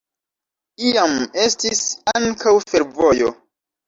Iam estis ankaŭ fervojo.